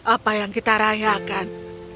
apa yang kita rayakan